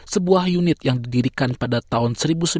sebuah unit yang didirikan pada tahun seribu sembilan ratus sembilan puluh